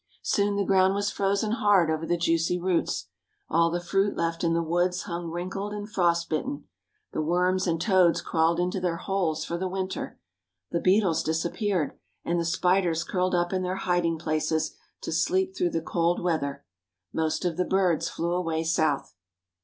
Soon the ground was frozen hard over the juicy roots. All the fruit left in the woods hung wrinkled and frost bitten. The worms and toads crawled into their holes for the winter. The beetles disappeared, and the spiders curled up in their hiding places to sleep through the cold weather. Most of the birds flew away south.